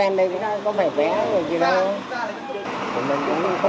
kem đã không lấy phương tiện của mình